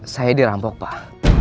saya dirampok pak